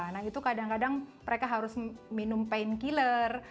nah itu kadang kadang mereka harus minum painkiller